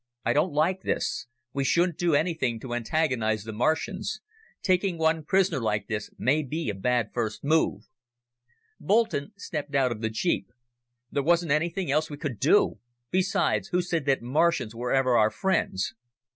"I don't like this. We shouldn't do anything to antagonize the Martians. Taking one prisoner like this may be a bad first move." Boulton stepped out of the jeep. "There wasn't anything else we could do. Besides, who said that Martians were ever our friends?"